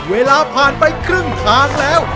เวลาผ่านไปครึ่งทางแล้ว